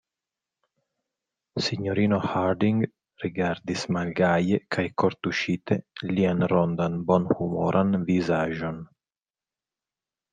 Sinjorino Harding rigardis malgaje kaj kortuŝite lian rondan, bonhumoran vizaĝon.